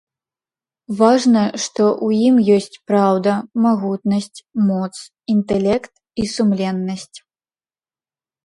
Важна, што ў ім ёсць праўда, магутнасць, моц, інтэлект і сумленнасць.